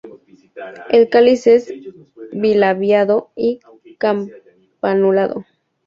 El cáliz es bilabiado y campanulado.